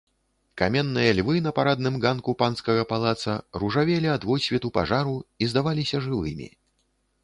Каменныя львы на парадным ганку панскага палаца ружавелі ад водсвету пажару і здаваліся жывымі.